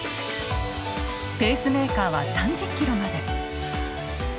ペースメーカーは３０ｋｍまで。